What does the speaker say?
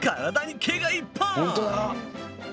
本当だ。